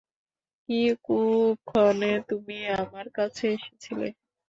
কী কুক্ষণে তুমি আমার কাছে এসেছিলে।